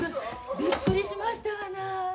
びっくりしましたがな。